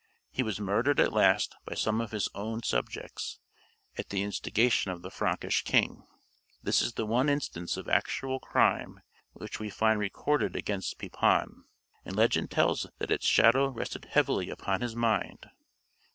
He was murdered at last by some of his own subjects, at the instigation of the Frankish king. This is the one instance of actual crime which we find recorded against Pepin; and legend tells that its shadow rested heavily upon his mind.